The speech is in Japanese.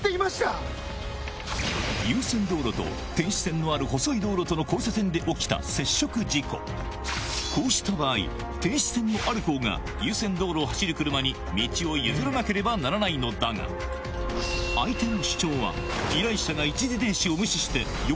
優先道路と停止線のある細い道路との交差点で起きた接触事故こうした場合停止線のある方が優先道路を走る車に道を譲らなければならないのだがそれなら。